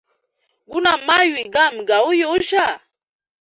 Guna maywi gami gauyujya?